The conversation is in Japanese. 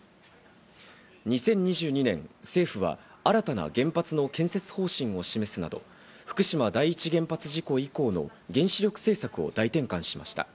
２０２２年、政府は新たな原発の建設方針を示すなど、福島第一原発事故以降、原子力政策を大転換しました。